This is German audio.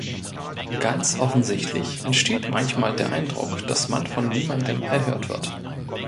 Ganz offensichtlich entsteht manchmal der Eindruck, dass man von niemandem erhört wird.